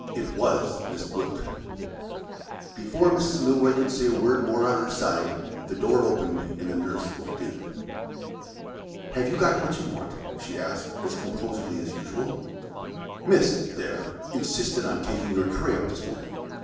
It was Miss Gwilt." Before Mrs. Milroy could say a word more on her side, the door opened and the nurse looked in. "Have you got what you want?" she asked, as composedly as usual. "Miss, there, insisted on taking your tray up this morning.